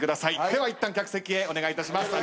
ではいったん客席へお願いいたします。